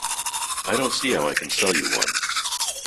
I don't see how I can sell you one.